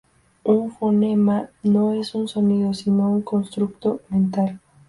Un fonema no es un sonido sino un constructo mental.